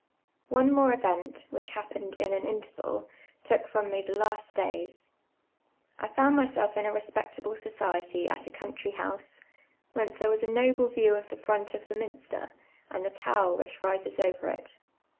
One more event, which hapjuned in an intenal, took from me the last days. I found myself in a respectable society at a country hous(% whence there was a iu*ble view of the front of the minster, and the tower which rises over it.